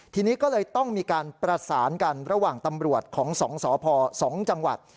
ทีนี้ก็เลยต้องมีการประสานกันระหว่างตำรวจของ๒สพ๒จังหวัด